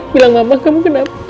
beritahu mama kamu kenapa